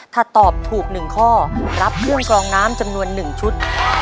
ถ้าตอบถูกหนึ่งข้อรับเครื่องกลองน้ำจำนวนหนึ่งชุด